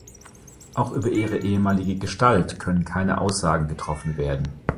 Auch über ihre ehemalige Gestalt können keine Aussagen getroffen werden.